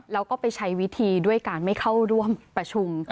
แล้วก็ไปใช้วิธีด้วยการไม่เข้าร่วมประชุม